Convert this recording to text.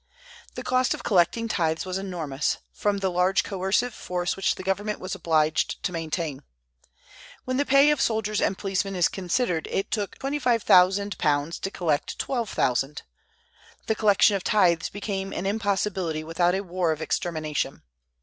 The cost of collecting tithes was enormous, from the large coercive force which the government was obliged to maintain. When the pay of soldiers and policemen is considered, it took £25,000 to collect £12,000. The collection of tithes became an impossibility without a war of extermination.